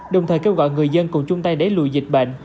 đồng thời kêu gọi người dân cùng chung tay đẩy lùi dịch bệnh